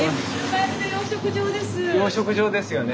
養殖場ですよね。